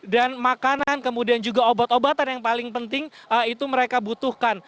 dan makanan kemudian juga obat obatan yang paling penting itu mereka butuhkan